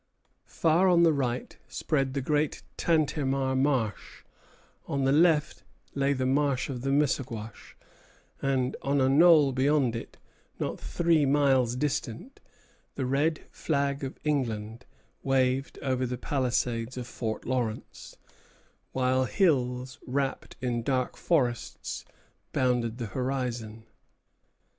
Far on the right spread the great Tantemar marsh; on the left lay the marsh of the Missaguash; and on a knoll beyond it, not three miles distant, the red flag of England waved over the palisades of Fort Lawrence, while hills wrapped in dark forests bounded the horizon.